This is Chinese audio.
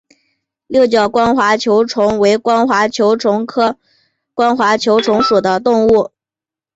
六角光滑球虫为光滑球虫科光滑球虫属的动物。